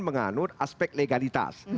menganur aspek legalitas